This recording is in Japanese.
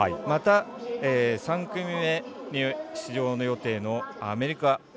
また、３組目に出場予定のアメリカ。